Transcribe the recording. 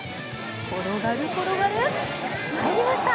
転がる、転がる、入りました！